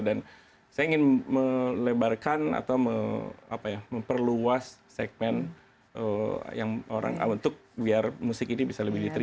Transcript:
dan saya ingin melebarkan atau apa ya memperluas segmen yang orang untuk biar musik ini bisa lebih diterima gitu